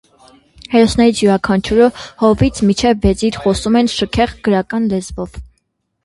Հերոսներից յուրաքանչյուրը՝ հովվից մինչև վեզիր խոսում են շքեղ, գրական լեզվով։